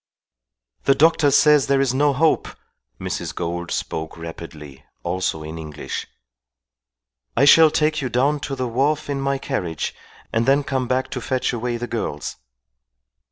"The doctor says there is no hope," Mrs. Gould spoke rapidly, also in English. "I shall take you down to the wharf in my carriage and then come back to fetch away the girls."